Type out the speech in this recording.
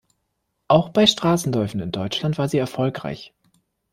Auch bei Straßenläufen in Deutschland war sie erfolgreich.